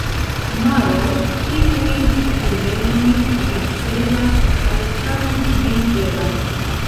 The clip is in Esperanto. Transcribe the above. Maro ĉiujn riverojn ricevas kaj tamen ne krevas.